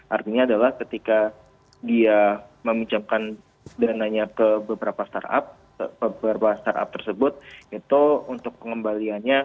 artinya adalah ketika dia meminjamkan dananya ke beberapa startup beberapa startup tersebut itu untuk pengembaliannya